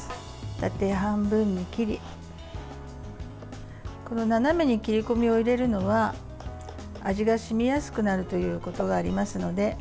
縦半分に切り斜めに切り込みを入れるのは味が染みやすくなるということがありますので。